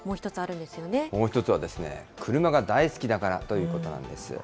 もう１つは、車が大好きだからということなんです。